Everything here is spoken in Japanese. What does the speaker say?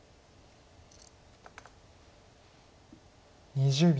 ２０秒。